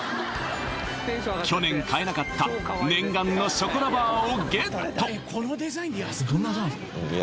去年買えなかった念願のショコラバーをゲット！